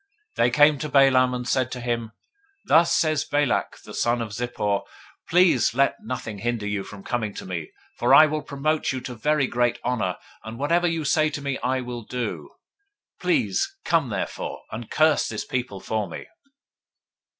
022:016 They came to Balaam, and said to him, Thus says Balak the son of Zippor, Please let nothing hinder you from coming to me: 022:017 for I will promote you to very great honor, and whatever you say to me I will do. Please come therefore, and curse this people for me.